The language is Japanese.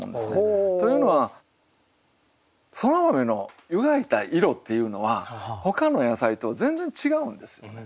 というのはそら豆の湯がいた色っていうのはほかの野菜と全然違うんですよね。